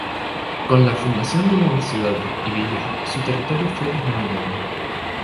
Con la fundación de nuevas ciudades y villas su territorio fue disminuyendo.